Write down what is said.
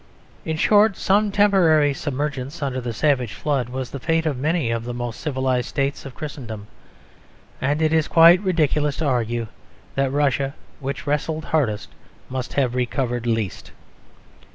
In short, some temporary submergence under the savage flood was the fate of many of the most civilised states of Christendom; and it is quite ridiculous to argue that Russia, which wrestled hardest, must have recovered least.